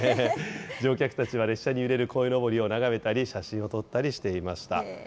乗客たちは列車に揺れるこいのぼりを眺めたり、写真を撮ったりしていました。